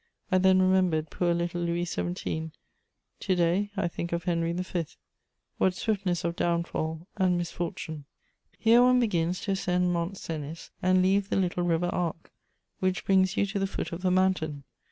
I then remembered poor little Louis XVII.; to day I think of Henry V.: what swiftness of downfall and misfortune! Here one begins to ascend Mont Cenis and leave the little River Arc, which brings you to the foot of the mountain.